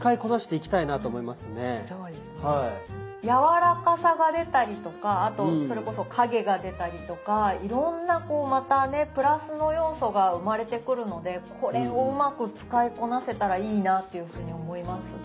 やわらかさが出たりとかあとそれこそ影が出たりとかいろんなこうまたねプラスの要素が生まれてくるのでこれをうまく使いこなせたらいいなというふうに思います。